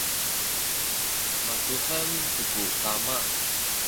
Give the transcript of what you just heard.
mazuhem tu ku kama